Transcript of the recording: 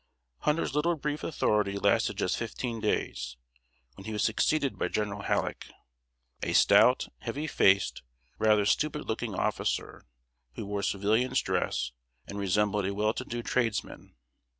] Hunter's little brief authority lasted just fifteen days, when he was succeeded by General Halleck a stout, heavy faced, rather stupid looking officer, who wore civilian's dress, and resembled a well to do tradesman.